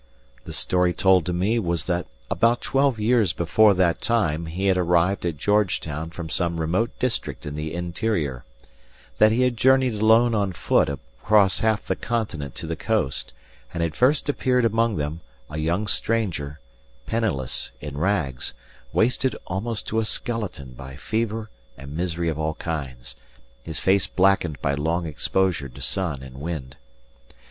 The story told to me was that about twelve years before that time he had arrived at Georgetown from some remote district in the interior; that he had journeyed alone on foot across half the continent to the coast, and had first appeared among them, a young stranger, penniless, in rags, wasted almost to a skeleton by fever and misery of all kinds, his face blackened by long exposure to sun and wind.